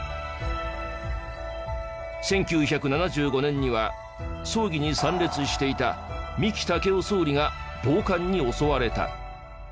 １９７５年には葬儀に参列していた三木武夫総理が暴漢に襲われた。